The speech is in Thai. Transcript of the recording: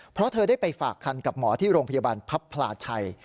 เพราะเธอได้ไปฝากคันกับหมอที่โรงพยาบาลพับพลาชัย